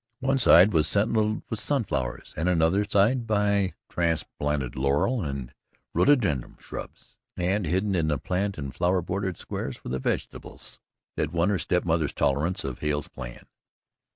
One side was sentinelled by sun flowers and another side by transplanted laurel and rhododendron shrubs, and hidden in the plant and flower bordered squares were the vegetables that won her step mother's tolerance of Hale's plan.